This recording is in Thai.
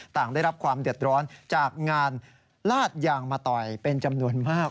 ต่างได้รับความเดือดร้อนจากงานลาดยางมาต่อยเป็นจำนวนมาก